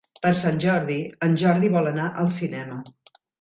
Per Sant Jordi en Jordi vol anar al cinema.